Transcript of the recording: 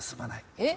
えっ！